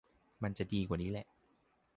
มันจะดีกว่านี้แหละ